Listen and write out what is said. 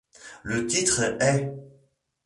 Le titre est '.